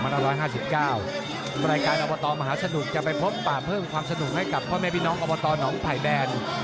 รายการอบตมหาสนุกจะไปพบป่าเพิ่มความสนุกให้กับพ่อแม่พี่น้องอบตหนองไผ่แบน